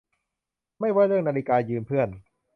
ไม่ว่าเรื่องนาฬิกายืมเพื่อน